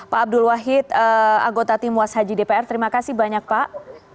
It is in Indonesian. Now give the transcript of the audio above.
pak abdul wahid anggota tim was haji dpr terima kasih banyak pak